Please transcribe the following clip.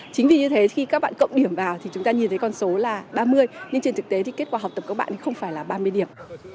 chính vì như thế khi các bạn cộng điểm vào thì chúng ta nhìn thấy con số là ba mươi nhưng trên thực tế thì kết quả học tập các bạn không phải là ba mươi điểm